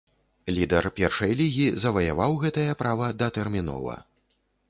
Лідар першай лігі заваяваў гэтае права датэрмінова.